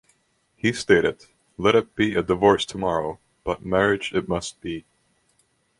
He stated, Let it be a divorce tomorrow, but marriage it must be!